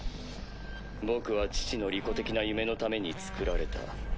僕は父の利己的な夢の為につくられた。